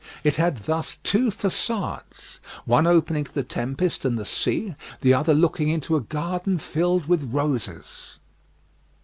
It had thus two façades, one open to the tempest and the sea, the other looking into a garden filled with roses.